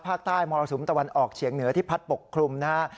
มรสุมตะวันออกเฉียงเหนือที่พัดปกคลุมนะฮะ